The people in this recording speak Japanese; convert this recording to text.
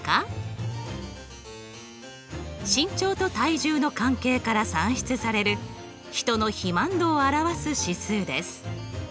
身長と体重の関係から算出される人の肥満度を表す指数です。